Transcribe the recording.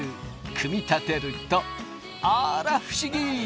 組み立てるとあら不思議。